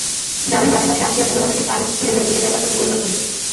জামাই মাঝে মাঝে আসিয়া মনোরমাকে বাড়ি ফিরাইয়া লইয়া যাইবার জন্য গোলমাল করিত।